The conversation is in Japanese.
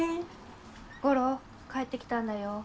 吾良帰ってきたんだよ。